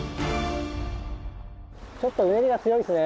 ちょっとうねりが強いですね。